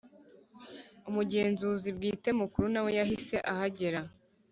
Umugenzuzi Bwite Mukuru nawe yahise ahagera